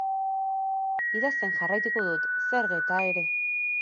Idazten jarraituko dut, zer gerta ere.